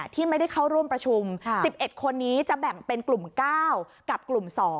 ที่ไม่ได้เข้าร่วมประชุม๑๑คนนี้จะแบ่งเป็นกลุ่ม๙กับกลุ่ม๒